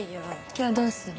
今日どうする？